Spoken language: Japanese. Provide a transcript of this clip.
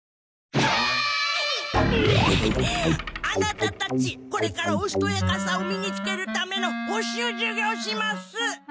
あなたたちこれからおしとやかさを身につけるための補習授業します！